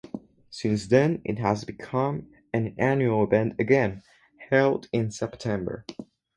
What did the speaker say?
Since then it has become an annual event again, held in September.